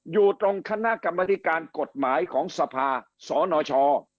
อยู่ตรงคณะกรรมนิการกฎหมายของสภาสนช